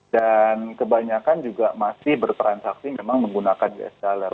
dan kebanyakan juga masih bertransaksi memang menggunakan us dollar